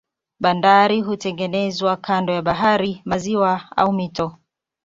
Bandari hutengenezwa kando ya bahari, maziwa au mito.